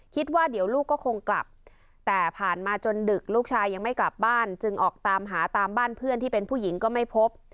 คิดว่าเดี๋ยวลูกก็คงกลับแต่ผ่านมาจนดึกลูกชายยังไม่กลับบ้านจึงออกตามหาตามบ้านเพื่อนที่เป็นผู้หญิงก็ไม่พบ